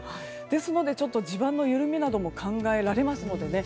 ですので、ちょっと地盤の緩みなども考えられますのでね